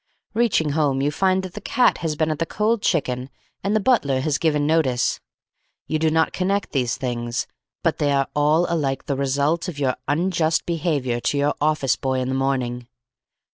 Reaching home, you find that the cat has been at the cold chicken and the butler has given notice. You do not connect these things, but they are all alike the results of your unjust behaviour to your office boy in the morning.